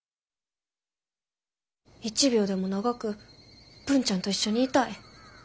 一秒でも長く文ちゃんと一緒にいたい。